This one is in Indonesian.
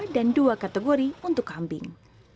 dan dua kategori untuk kambing